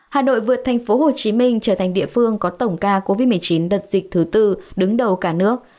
hà nội vượt thành phố hồ chí minh trở thành địa phương có tổng ca covid một mươi chín đợt dịch thứ tư đứng đầu cả nước